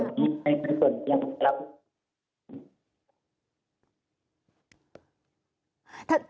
ไม่มีส่วนที่ยังไม่รับ